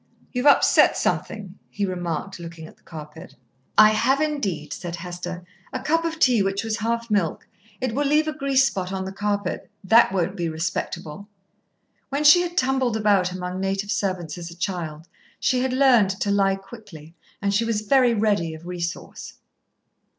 "You've upset something," he remarked, looking at the carpet. "I have, indeed," said Hester. "A cup of tea which was half milk. It will leave a grease spot on the carpet. That won't be respectable." When she had tumbled about among native servants as a child, she had learned to lie quickly, and she was very ready of resource.